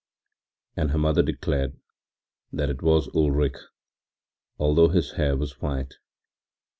” And her mother declared that it was Ulrich, although his hair was white.